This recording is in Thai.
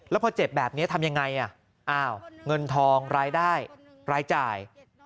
แล้วพอเจ็บแบบนี้ทำยังไงเงินทองรายได้รายจ่าย